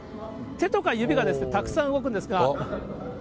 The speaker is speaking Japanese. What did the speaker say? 手とか指がたくさん動くんですが。